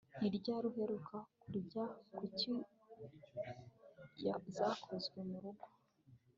Ni ryari uheruka kurya kuki zakozwe murugo